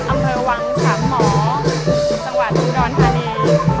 อำเภอวังสามหมอสังวัติธุรณฑานี